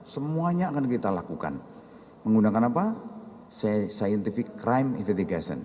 semuanya akan kita lakukan menggunakan apa scientific crime investigation